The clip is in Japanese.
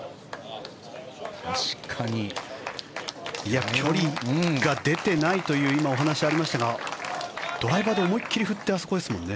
確かにいや、距離が出ていないというお話が今、ありましたがドライバーで思いっ切り振ってあそこですもんね。